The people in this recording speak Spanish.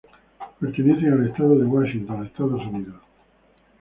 Pertenecen al Estado de Washington, Estados Unidos.